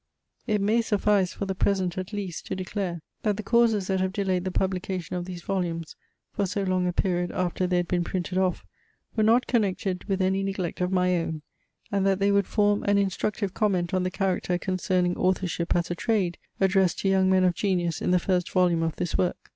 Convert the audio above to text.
It may suffice, (for the present at least,) to declare, that the causes that have delayed the publication of these volumes for so long a period after they had been printed off, were not connected with any neglect of my own; and that they would form an instructive comment on the chapter concerning authorship as a trade, addressed to young men of genius in the first volume of this work.